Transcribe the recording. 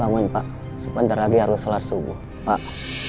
bangun pak sebentar lagi harus sholat subuh pak